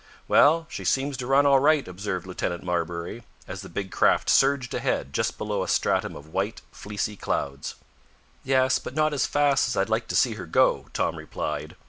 "Well she seems to run all right," observed Lieutenant Marbury, as the big craft surged ahead just below a stratum of white, fleecy clouds. "Yes, but not as fast as I'd like to see her go," Tom replied.